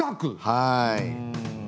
はい。